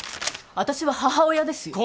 私は母親ですよ？